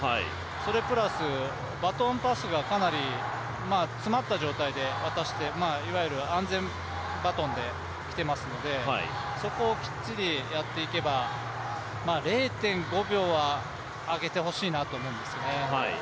それプラス、バトンパスがかなり詰まった状態で渡していわゆる安全バトンできてますので、そこをきっちりやっていけば０．５秒は上げてほしいなと思うんですよね。